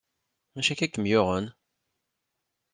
D acu akka ay kem-yuɣen?